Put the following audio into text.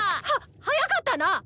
あ！は早かったな！